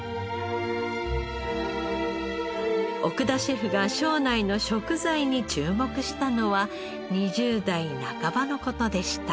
奥田シェフが庄内の食材に注目したのは２０代半ばの事でした。